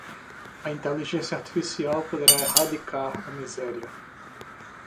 A inteligência artificial poderá erradicar a miséria